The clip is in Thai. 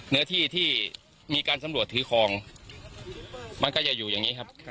เนื้อที่ที่มีการสำรวจถือคลองมันก็จะอยู่อย่างนี้ครับ